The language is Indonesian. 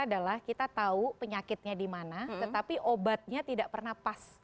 adalah kita tahu penyakitnya di mana tetapi obatnya tidak pernah pas